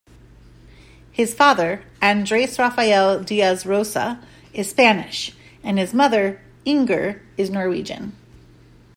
His father, Andres Rafael Diaz Rosa, is Spanish and his mother, Inger, is Norwegian.